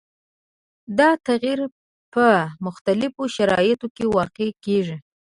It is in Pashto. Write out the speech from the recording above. دا تغیر په مختلفو شرایطو کې واقع کیږي.